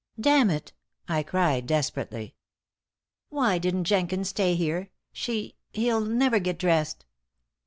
"Damn it!" I cried, desperately. "Why didn't Jenkins stay here? She he'll never get dressed!"